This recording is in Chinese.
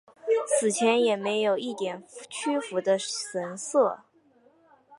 死前也没有一点屈服的神色。